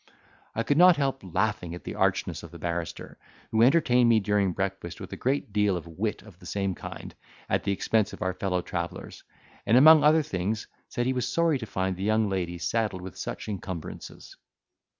I could not help laughing at the archness of the barrister, who entertained me during breakfast with a great deal of wit of the same kind, at the expense of our fellow travellers; and among other things said, he was sorry to find the young lady saddled with such incumbrances.